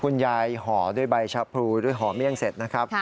คุณยายห่อด้วยใบชาพรูห่อเมี่ยงเสร็จนะครับ